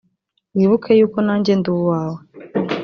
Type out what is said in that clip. wibuke yuko nanjye nduwawe.